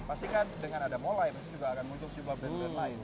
pasti kan dengan ada molai pasti akan muncul juga brand brand lain